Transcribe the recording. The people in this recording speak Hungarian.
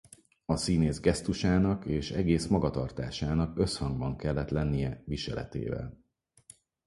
A színész gesztusának és egész magatartásának összhangban kellett lennie viseletével.